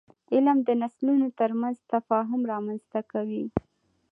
علم د نسلونو ترمنځ تفاهم رامنځته کوي.